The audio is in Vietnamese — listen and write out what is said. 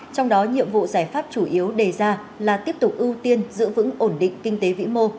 trong đó nhiệm vụ giải pháp chủ yếu đề ra là tiếp tục ưu tiên giữ vững ổn định kinh tế vĩ mô